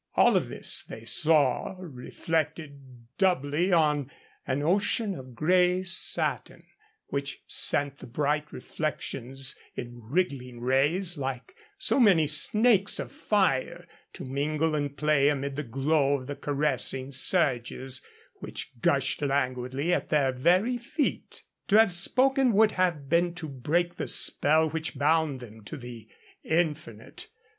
All of this they saw reflected doubly on an ocean of gray satin, which sent the bright reflections in wriggling rays like so many snakes of fire to mingle and play amid the glow of the caressing surges, which gushed languidly at their very feet. To have spoken would have been to break the spell which bound them to the infinite.